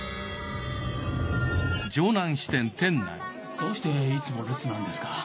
どうしていつも留守なんですか！？